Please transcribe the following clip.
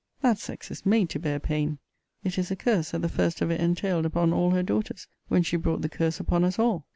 That sex is made to bear pain. It is a curse that the first of it entailed upon all her daughters, when she brought the curse upon us all.